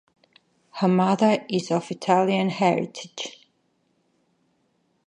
Her mother is of Italian heritage.